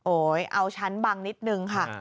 เอาชั้นบังนิดนึงค่ะ